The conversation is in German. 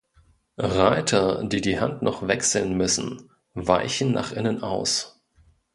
Reiter, die die Hand noch wechseln müssen, weichen nach innen aus.